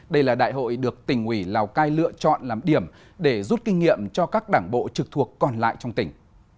đây là đại hội được tỉnh ủy lào cai lựa chọn làm điểm để rút kinh nghiệm cho các đảng bộ trực thuộc còn lại trong tỉnh